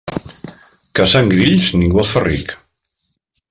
Caçant grills, ningú es fa ric.